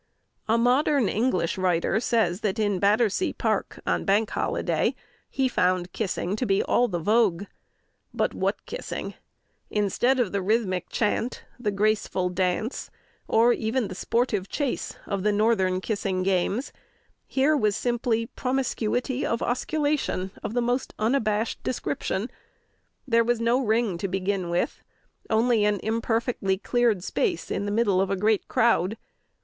A modern English writer says that in Battersea Park on bank holiday he found kissing to be all the vogue. "But what kissing! Instead of the rhythmic chant, the graceful dance, or even the sportive chase of the northern kissing games, here was simply promiscuity of osculation of the most unabashed description. There was no ring to begin with, only an imperfectly cleared space in the middle of a great crowd.